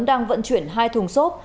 đang vận chuyển hai thùng xốp